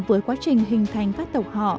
với quá trình hình thành phát tộc họ